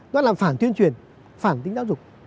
nó làm phản tuyên truyền phản tính giáo dục